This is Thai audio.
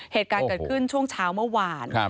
เหตุการณ์เกิดขึ้นช่วงเช้าเมื่อวาน